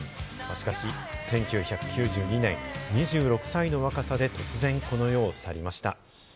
しかし１９９２年、２６歳の若さで突然この世を去りました。